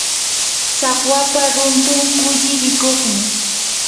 tsakwapa runtun kulli rikuqmi.